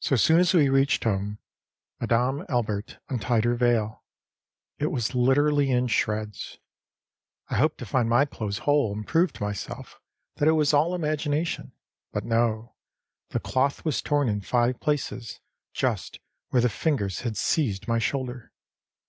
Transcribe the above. So soon as we reached home, Madame Albert untied her veil; it was literally in shreds. I hoped to find my clothes whole and prove to myself that it was all imagination. But no, the cloth was torn in five places, just where the fingers had seized my shoulder.